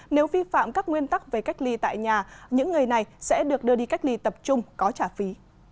nếu vi phạm các nguyên tắc về cách ly tại nhà những người này sẽ được đưa đi cách ly tập trung có trả phí